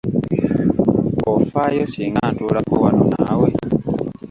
Ofaayo singa ntuulako wano naawe?